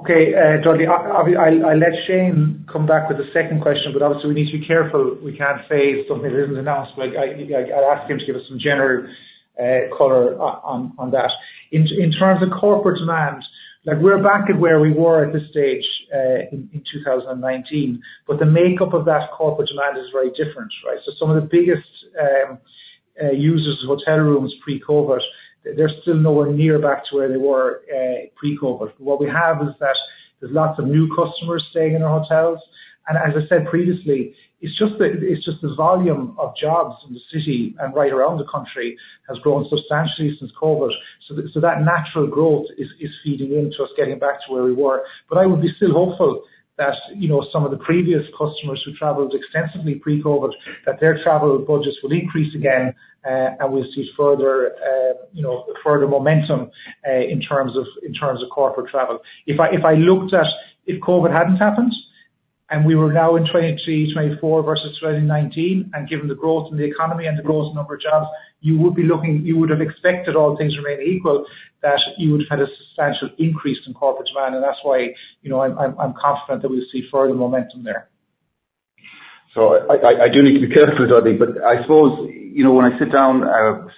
Okay. Dudley, I'll let Shane come back with the second question, but obviously, we need to be careful. We can't say something that isn't announced. But, like, I'd ask him to give us some general color on that. In terms of corporate demand, like, we're back at where we were at this stage in 2019, but the makeup of that corporate demand is very different, right? So some of the biggest users of hotel rooms pre-COVID, they're still nowhere near back to where they were pre-COVID. What we have is that there's lots of new customers staying in our hotels. And as I said previously, it's just the volume of jobs in the city and right around the country has grown substantially since COVID. So that natural growth is feeding into us getting back to where we were. But I would be still hopeful that, you know, some of the previous customers who traveled extensively pre-COVID, that their travel budgets will increase again, and we'll see further, you know, further momentum in terms of corporate travel. If I looked at if COVID hadn't happened and we were now in 2024 versus 2019, and given the growth in the economy and the growth in number of jobs, you would have expected all things remaining equal that you would have had a substantial increase in corporate demand. And that's why, you know, I'm confident that we'll see further momentum there. So I do need to be careful, Dudley. But I suppose, you know, when I sit down,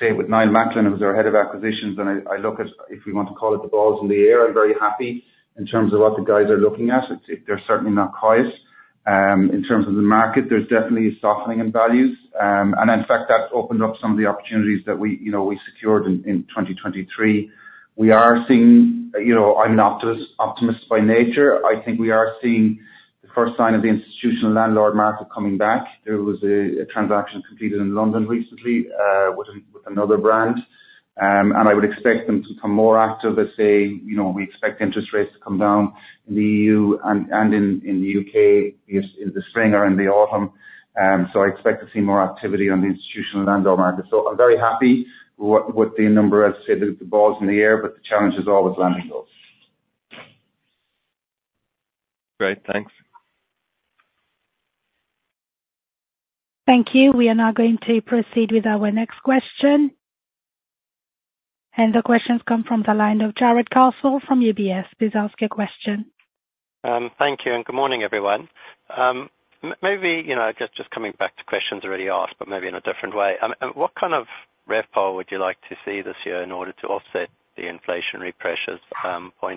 say, with Niall Macklin, who's our head of acquisitions, and I look at if we want to call it the balls in the air, I'm very happy in terms of what the guys are looking at. They're certainly not quiet. In terms of the market, there's definitely a softening in values. In fact, that opened up some of the opportunities that we, you know, we secured in 2023. We are seeing, you know, I'm an optimist by nature. I think we are seeing the first sign of the institutional landlord market coming back. There was a transaction completed in London recently, with another brand. I would expect them to become more active. They say, you know, we expect interest rates to come down in the E.U. and in the U.K. in the spring or in the autumn. So I expect to see more activity on the institutional landlord market. So I'm very happy with what the number as I said, the balls in the air, but the challenge is always landing those. Great. Thanks. Thank you. We are now going to proceed with our next question. The questions come from the line of Jarrod Castle from UBS. Please ask your question. Thank you. And good morning, everyone. Maybe, you know, just coming back to questions already asked but maybe in a different way. What kind of RevPAR would you like to see this year in order to offset the inflationary pressures, .1?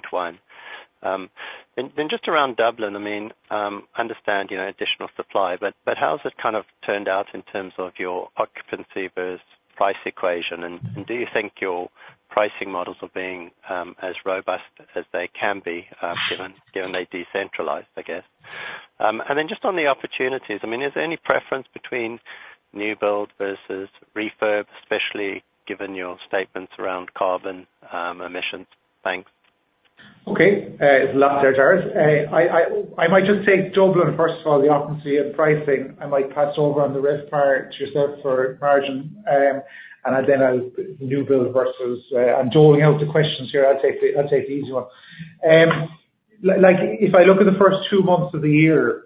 And just around Dublin, I mean, I understand, you know, additional supply, but how's it kind of turned out in terms of your occupancy versus price equation? And do you think your pricing models are being as robust as they can be, given they're decentralized, I guess? And then just on the opportunities, I mean, is there any preference between new build versus refurb, especially given your statements around carbon emissions? Thanks. Okay, it's last there, Jarrod. I might just say Dublin, first of all, the occupancy and pricing. I might pass over on the RevPAR to yourself for margin. And then I'll new build versus, and doling out the questions here, I'll take the easy one. Like if I look at the first two months of the year,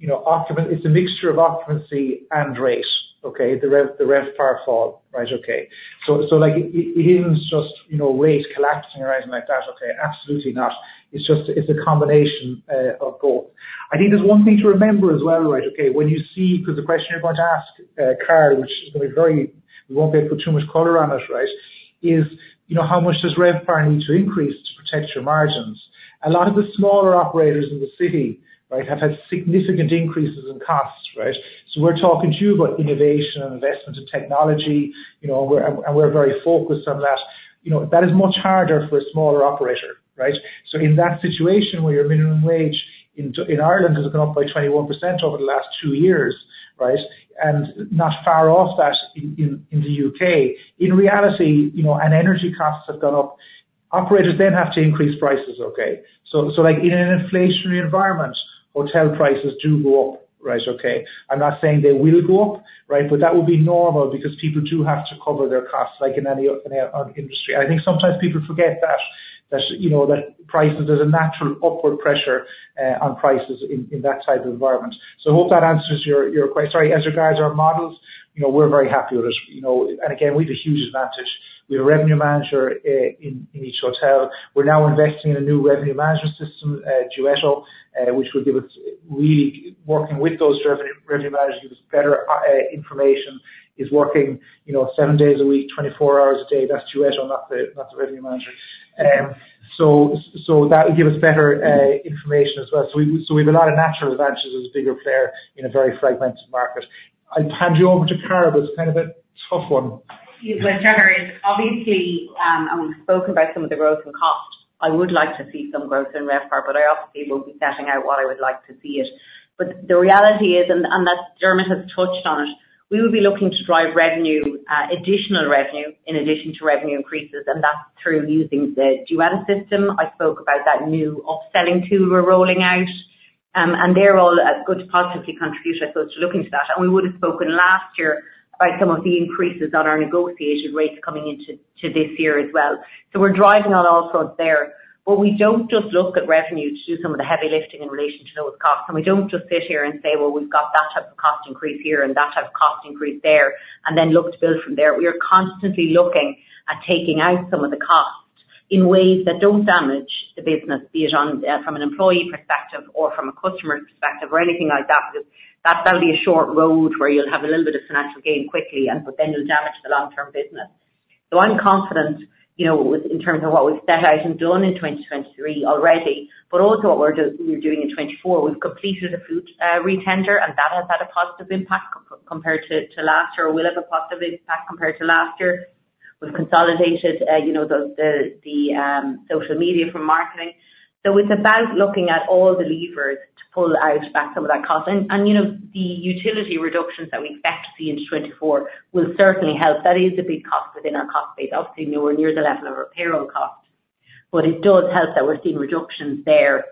you know, occupancy it's a mixture of occupancy and rate, okay? The RevPAR fall, right? Okay. So, like, it isn't just, you know, rate collapsing or anything like that, okay? Absolutely not. It's just it's a combination of both. I think there's one thing to remember as well, right? Okay? When you see because the question you're going to ask, Carol, which is going to be very we won't be able to put too much color on it, right, is, you know, how much does RevPAR need to increase to protect your margins? A lot of the smaller operators in the city, right, have had significant increases in costs, right? So we're talking too about innovation and investment and technology, you know, and we're and we're very focused on that. You know, that is much harder for a smaller operator, right? So in that situation where your minimum wage in, in Ireland has gone up by 21% over the last two years, right, and not far off that in, in, in the U.K., in reality, you know, and energy costs have gone up, operators then have to increase prices, okay? So, like, in an inflationary environment, hotel prices do go up, right? Okay? I'm not saying they will go up, right, but that will be normal because people do have to cover their costs, like in any industry. I think sometimes people forget that, you know, that prices there's a natural upward pressure on prices in that type of environment. So I hope that answers your question. Sorry. As regards to our models, you know, we're very happy with us. You know, and again, we have a huge advantage. We have a revenue manager in each hotel. We're now investing in a new revenue management system, Duetto, which will give us really working with those revenue managers give us better information. He's working, you know, seven days a week, 24 hours a day. That's Duetto, not the revenue manager. So that will give us better information as well. So we have a lot of natural advantages as a bigger player in a very fragmented market. I'll hand you over to Carol, but it's kind of a tough one. Yeah. Well, Jarrod, obviously, I mean, driven by some of the growth in costs, I would like to see some growth in RevPAR, but I obviously won't be setting out what I would like to see in it. But the reality is, and, and that Dermot has touched on it, we will be looking to drive revenue, additional revenue in addition to revenue increases, and that's through using the Duetto system. I spoke about that new upselling tool we're rolling out, and they're all going to positively contribute, I suppose, to that. And we would have spoken last year about some of the increases on our negotiated rates coming into, to this year as well. So we're driving on all fronts there. But we don't just look at revenue to do some of the heavy lifting in relation to those costs. We don't just sit here and say, "Well, we've got that type of cost increase here and that type of cost increase there," and then look to build from there. We are constantly looking at taking out some of the cost in ways that don't damage the business, be it from an employee perspective or from a customer's perspective or anything like that because that'll be a short road where you'll have a little bit of financial gain quickly, but then you'll damage the long-term business. So I'm confident, you know, in terms of what we've set out and done in 2023 already, but also what we're doing in 2024. We've completed a food retender, and that has had a positive impact compared to last year, or will have a positive impact compared to last year. We've consolidated, you know, the social media from marketing. So it's about looking at all the levers to pull out back some of that cost. And you know, the utility reductions that we expect to see in 2024 will certainly help. That is a big cost within our cost base. Obviously, we're near the level of our payroll costs, but it does help that we're seeing reductions there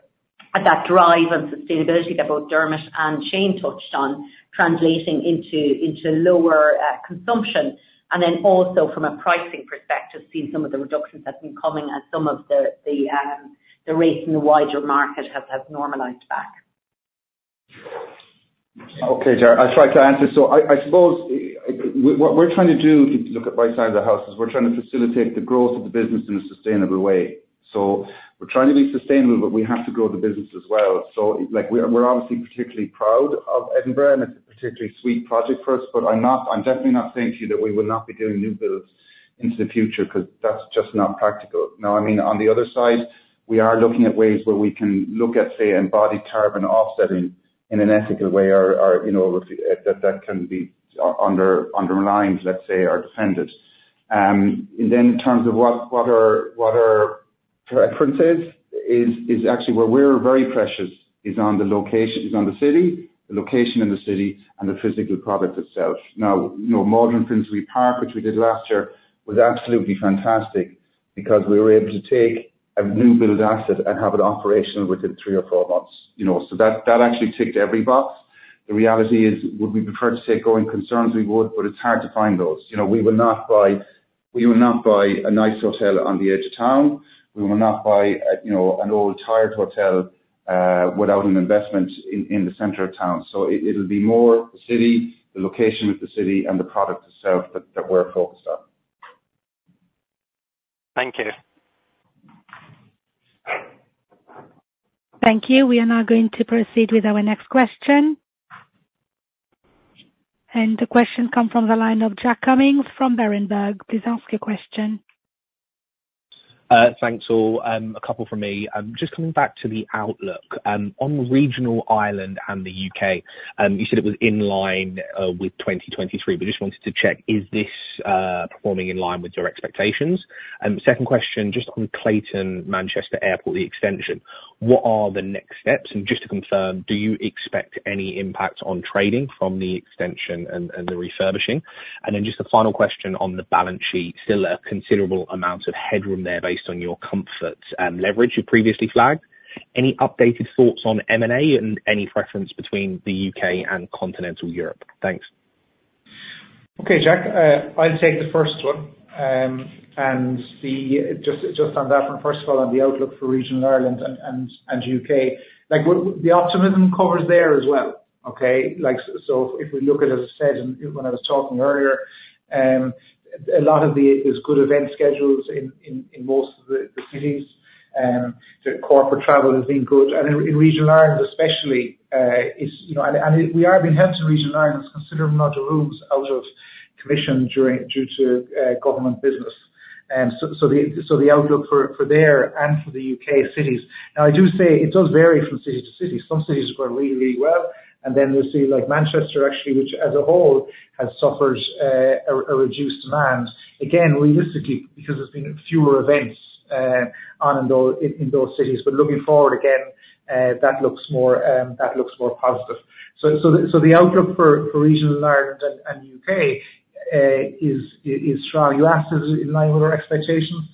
at that drive and sustainability that both Dermot and Shane touched on translating into lower consumption. And then also from a pricing perspective, seeing some of the reductions that have been coming as some of the rates in the wider market have normalized back. Okay, Jarrod. I tried to answer. So I, I suppose what we're trying to do if you look at both sides of the house is we're trying to facilitate the growth of the business in a sustainable way. So we're trying to be sustainable, but we have to grow the business as well. So, like, we're, we're obviously particularly proud of Edinburgh, and it's a particularly sweet project for us, but I'm not, I'm definitely not saying to you that we will not be doing new builds into the future because that's just not practical. No, I mean, on the other side, we are looking at ways where we can look at, say, embodied carbon offsetting in an ethical way or, or, you know, that, that can be undermined, let's say, or defended. And then in terms of what our preferences are, is actually where we're very precise is on the location, on the city, the location in the city, and the physical product itself. Now, you know, Maldron Finsbury Park, which we did last year, was absolutely fantastic because we were able to take a new-build asset and have it operational within three or four months, you know. So that actually ticked every box. The reality is, would we prefer to say going concerns? We would, but it's hard to find those. You know, we will not buy a nice hotel on the edge of town. We will not buy a, you know, an old, tired hotel, without an investment in the center of town. It'll be more the city, the location with the city, and the product itself that we're focused on. Thank you. Thank you. We are now going to proceed with our next question. The question comes from the line of Jack Cummings from Berenberg. Please ask your question. Thanks all. A couple from me. Just coming back to the outlook, on regional Ireland and the U.K., you said it was in line, with 2023, but just wanted to check, is this, performing in line with your expectations? Second question, just on Clayton Manchester Airport, the extension, what are the next steps? And just to confirm, do you expect any impact on trading from the extension and, and the refurbishing? And then just a final question on the balance sheet, still a considerable amount of headroom there based on your comfort and leverage you previously flagged. Any updated thoughts on M&A and any preference between the U.K. and continental Europe? Thanks. Okay, Jack. I'll take the first one. And just on that one, first of all, on the outlook for regional Ireland and U.K., like, the optimism covers there as well, okay? Like, so if we look at it, as I said, when I was talking earlier, a lot of the, there's good event schedules in most of the cities. So corporate travel has been good. And in regional Ireland especially, it's, you know, and we are being held back in regional Ireland by a considerable amount of rooms out of commission due to government business. So the outlook for there and for the U.K. cities now, I do say it does vary from city to city. Some cities have gone really, really well, and then we'll see, like, Manchester actually, which as a whole has suffered a reduced demand. Again, realistically, because there's been fewer events on and off in those cities, but looking forward again, that looks more positive. So the outlook for regional Ireland and U.K. is strong. You asked is it in line with our expectations?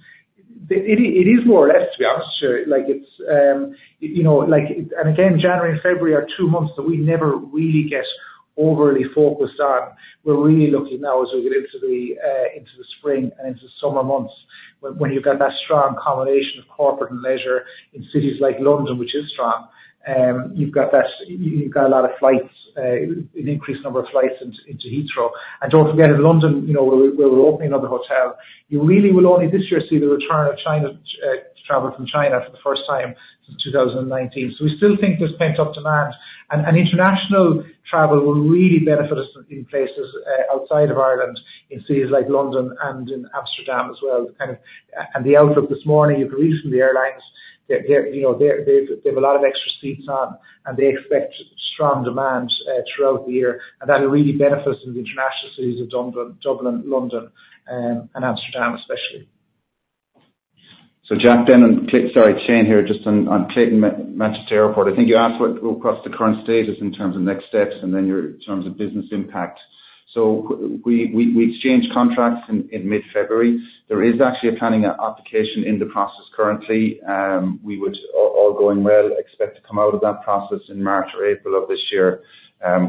It is more or less, to be honest with you. Like, it's, you know, like and again, January and February are two months that we never really get overly focused on. We're really looking now as we get into the spring and into the summer months when you've got that strong combination of corporate and leisure in cities like London, which is strong. You've got that you've got a lot of flights, an increased number of flights into Heathrow. And don't forget in London, you know, where we're opening another hotel, you really will only this year see the return of China travel from China for the first time since 2019. So we still think there's pent-up demand. And international travel will really benefit us in places outside of Ireland in cities like London and in Amsterdam as well. Kind of, and the outlook this morning, you can read it from the airlines. They, you know, they've a lot of extra seats on, and they expect strong demand throughout the year. And that'll really benefit in the international cities of Dublin, London, and Amsterdam especially. So Jack then and Clay sorry, Shane here just on Clayton Manchester Airport. I think you asked what the current status in terms of next steps and then in terms of business impact. So we exchanged contracts in mid-February. There is actually a planning application in the process currently. We would, all going well, expect to come out of that process in March or April of this year,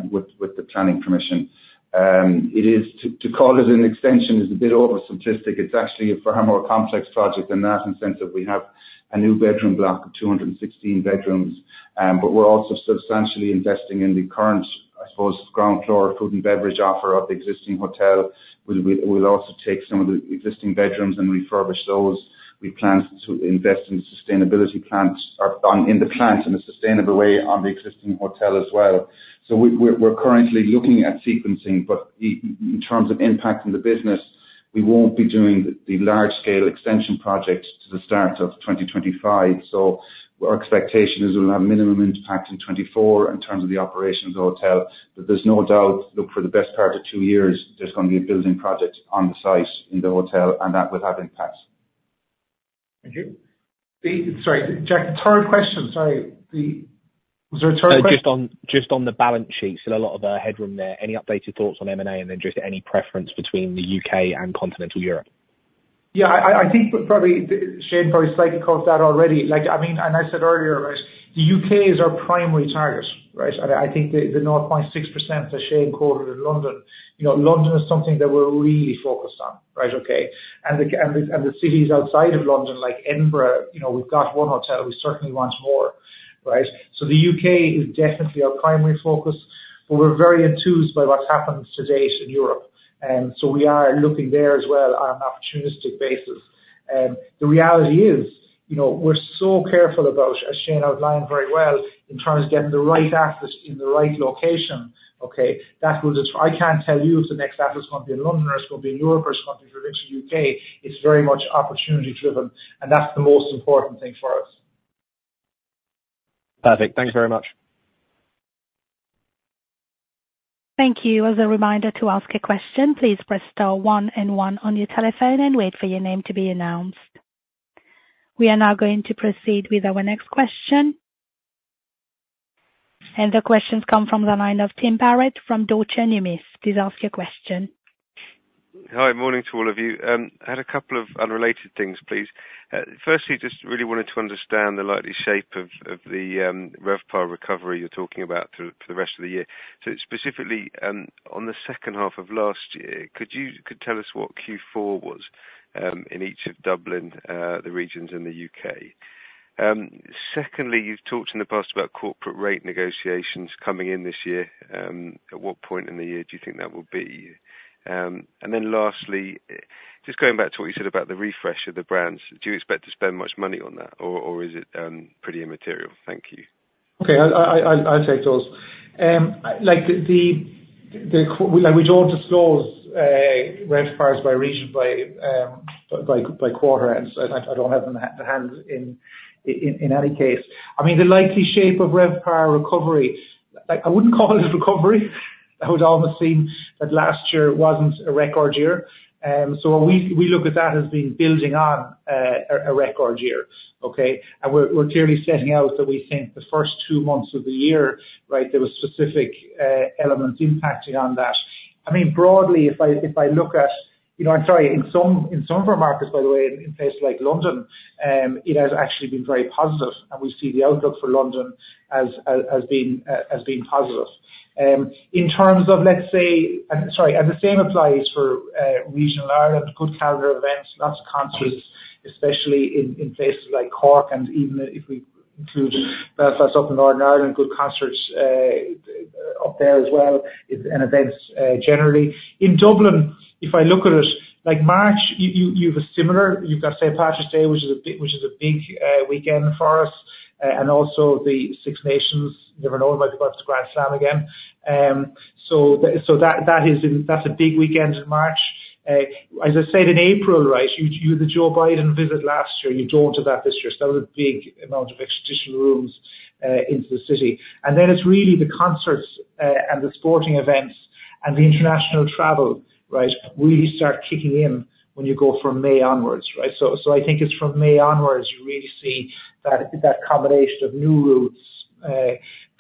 with the planning permission. It is to call it an extension is a bit over-simplistic. It's actually a far more complex project than that in the sense that we have a new bedroom block of 216 bedrooms, but we're also substantially investing in the current, I suppose, ground floor food and beverage offer of the existing hotel. We'll also take some of the existing bedrooms and refurbish those. We plan to invest in the sustainability plans or ongoing in the plans in a sustainable way on the existing hotel as well. So we, we're currently looking at sequencing, but in terms of impact on the business, we won't be doing the large-scale extension project to the start of 2025. So our expectation is we'll have minimum impact in 2024 in terms of the operations of the hotel. But there's no doubt, look for the best part of two years, there's going to be a building project on the site in the hotel, and that will have impacts. Thank you. Sorry, Jack. It's Carol's question. Sorry. Was there a Carol's question? Just on the balance sheet, still a lot of headroom there. Any updated thoughts on M&A and then just any preference between the U.K. and continental Europe? Yeah. I think probably Shane slightly crossed that already. Like, I mean, and I said earlier, right, the U.K. is our primary target, right? And I think the 0.6% that Shane quoted in London, you know, London is something that we're really focused on, right, okay? And the cities outside of London, like Edinburgh, you know, we've got one hotel. We certainly want more, right? So the U.K. is definitely our primary focus, but we're very enthused by what's happened to date in Europe. So we are looking there as well on an opportunistic basis. The reality is, you know, we're so careful about, as Shane outlined very well, in terms of getting the right assets in the right location, okay, that will determine. I can't tell you if the next asset's going to be in London or it's going to be in Europe or it's going to be provincial U.K. It's very much opportunity-driven, and that's the most important thing for us. Perfect. Thanks very much. Thank you. As a reminder to ask a question, please press star one and one on your telephone and wait for your name to be announced. We are now going to proceed with our next question. The questions come from the line of Tim Barrett from Deutsche Numis. Please ask your question. Hi. Morning to all of you. I had a couple of unrelated things, please. Firstly, just really wanted to understand the likely shape of, of the, RevPAR recovery you're talking about through for the rest of the year. So specifically, on the second half of last year, could you could tell us what Q4 was, in each of Dublin, the regions, and the U.K.? Secondly, you've talked in the past about corporate rate negotiations coming in this year. At what point in the year do you think that will be? And then lastly, just going back to what you said about the refresh of the brands, do you expect to spend much money on that, or, or is it, pretty immaterial? Thank you. Okay. I'll take those. Like, we don't disclose RevPARs by region by quarter ends. I don't have them at hand in any case. I mean, the likely shape of RevPAR recovery like, I wouldn't call it recovery. That would almost seem that last year wasn't a record year. So what we look at that as being building on a record year, okay? And we're clearly setting out that we think the first two months of the year, right, there were specific elements impacting on that. I mean, broadly, if I look at you know, I'm sorry. In some of our markets, by the way, in places like London, it has actually been very positive, and we see the outlook for London as being positive. In terms of, let's say, and sorry. And the same applies for regional Ireland, good calendar events, lots of concerts, especially in places like Cork. And even if we include us up in Northern Ireland, good concerts up there as well and events, generally. In Dublin, if I look at it, like, March, you have a similar; you've got, say, a St. Patrick's Day, which is a big weekend for us, and also the Six Nations. Never know. We might be going to Grand Slam again. So that, that is, that's a big weekend in March. As I said in April, right, you, the Joe Biden visit last year, you don't do that this year. So that was a big amount of extra additional rooms into the city. Then it's really the concerts, and the sporting events and the international travel, right, really start kicking in when you go from May onwards, right? So, so I think it's from May onwards you really see that, that combination of new routes,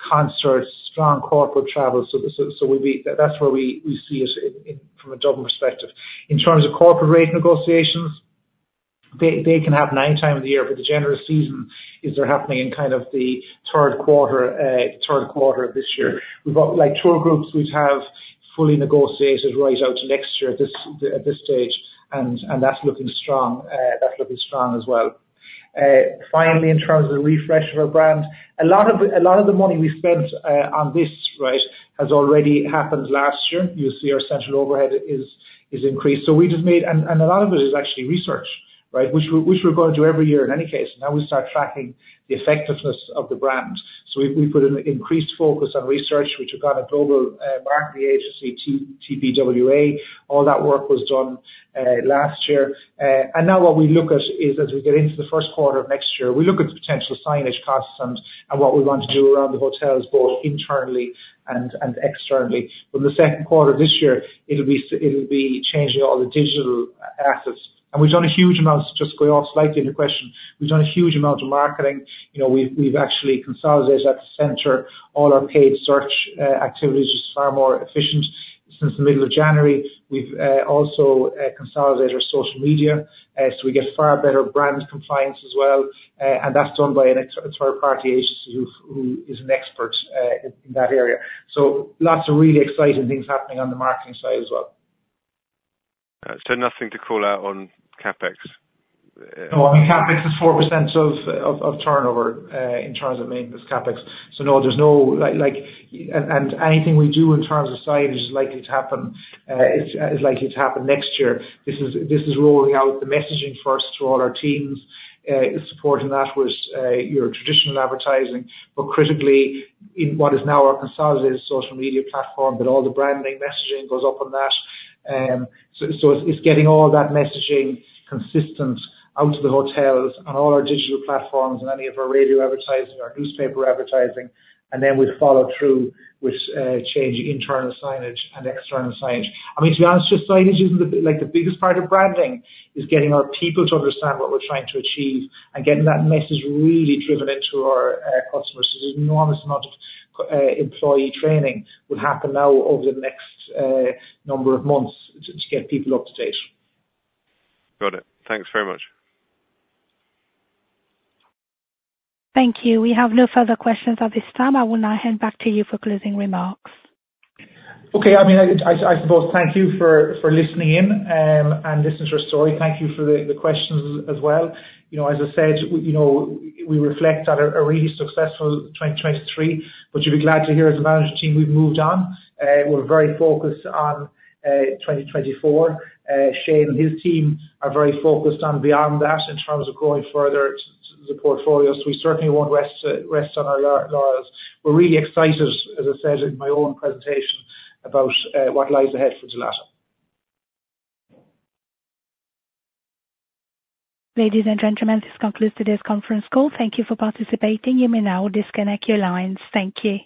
concerts, strong corporate travel. So, so, so we'd be that's where we, we see it in, in from a Dublin perspective. In terms of corporate rate negotiations, they, they can have 9x a year, but the general season is they're happening in kind of the third quarter, third quarter of this year. We've got like, tour groups, we'd have fully negotiated right out to next year at this at this stage, and, and that's looking strong. That's looking strong as well. Finally, in terms of the refresh of our brand, a lot of the money we spent on this, right, has already happened last year. You'll see our central overhead is increased. So we just made, and a lot of it is actually research, right, which we're going to do every year in any case. Now we start tracking the effectiveness of the brand. So we put an increased focus on research, which we've got a global marketing agency, TBWA. All that work was done last year. And now what we look at is, as we get into the first quarter of next year, we look at the potential signage costs and what we want to do around the hotels both internally and externally. But in the second quarter of this year, it'll be changing all the digital assets. We've done a huge amount, just going off slightly on your question. We've done a huge amount of marketing. You know, we've actually consolidated at the center all our paid search activities just far more efficient since the middle of January. We've also consolidated our social media, so we get far better brand compliance as well. And that's done by an external third-party agency who is an expert in that area. So lots of really exciting things happening on the marketing side as well. Nothing to call out on CapEx? No. I mean, CapEx is 4% of turnover, in terms of maintenance CapEx. So no, there's no like, and anything we do in terms of signage is likely to happen. It's likely to happen next year. This is rolling out the messaging first to all our teams, supporting that with your traditional advertising. But critically, in what is now our consolidated social media platform, but all the branding messaging goes up on that. So it's getting all that messaging consistent out to the hotels on all our digital platforms and any of our radio advertising, our newspaper advertising, and then we follow through with changing internal signage and external signage. I mean, to be honest, just signage isn't the like, the biggest part of branding is getting our people to understand what we're trying to achieve and getting that message really driven into our customers. So there's an enormous amount of employee training would happen now over the next number of months to get people up to date. Got it. Thanks very much. Thank you. We have no further questions at this time. I will now hand back to you for closing remarks. Okay. I mean, I suppose thank you for listening in and listening to our story. Thank you for the questions as well. You know, as I said, we reflect on a really successful 2023, but you'll be glad to hear as a management team, we've moved on. We're very focused on 2024. Shane and his team are very focused on beyond that in terms of growing further the portfolios. We certainly won't rest on our laurels. We're really excited, as I said in my own presentation, about what lies ahead for Dalata. Ladies and gentlemen, this concludes today's conference call. Thank you for participating. You may now disconnect your lines. Thank you.